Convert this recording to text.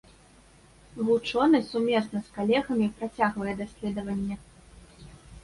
Вучоны сумесна з калегамі працягвае даследаванне.